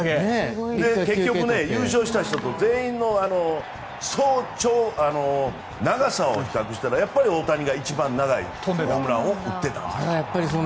結局、優勝した人と長さを比較したら大谷が一番長いホームランを打ってたと。